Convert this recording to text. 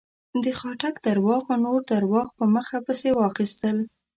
د خاټک درواغو نور درواغ په مخه پسې واخيستل.